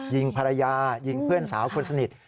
ยิงภรรยายิงเพื่อนสาวคนสนิท